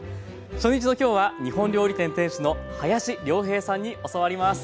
初日の今日は日本料理店店主の林亮平さんに教わります。